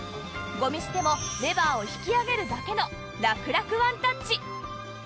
ゴミ捨てもレバーを引き上げるだけの楽々ワンタッチ